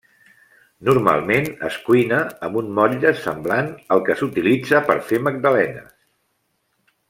Normalment, es cuina amb un motlle semblant al que s'utilitza per fer magdalenes.